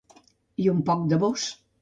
I un poc de Vós.